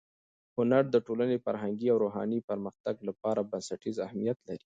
هنر د ټولنې فرهنګي او روحاني پرمختګ لپاره بنسټیز اهمیت لري.